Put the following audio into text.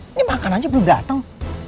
ini makanannya belum dateng